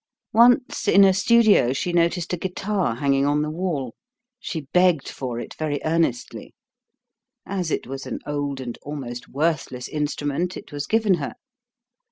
Once in a studio she noticed a guitar hanging on the wall. She begged for it very earnestly. As it was an old and almost worthless instrument, it was given her.